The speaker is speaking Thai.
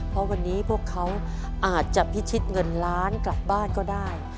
เพราะวันนี้พวกเขาอาจจะพิชิตเงินล้านกลับบ้านก็ได้